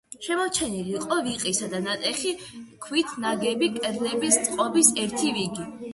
შემორჩენილი იყო რიყისა და ნატეხი ქვით ნაგები კედლების წყობის ერთი რიგი.